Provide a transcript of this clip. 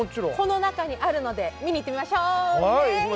この中にあるので見にいってみましょう。